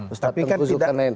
ustaz tengku sukan lain